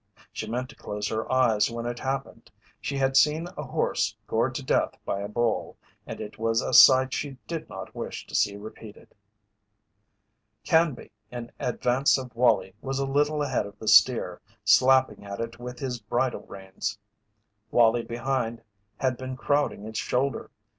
She meant to close her eyes when it happened. She had seen a horse gored to death by a bull and it was a sight she did not wish to see repeated. Canby in advance of Wallie was a little ahead of the steer, slapping at it with his bridle reins, Wallie behind had been crowding its shoulder.